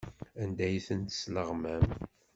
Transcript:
Anda ay ten-tesleɣmam?